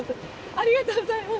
ありがとうございます。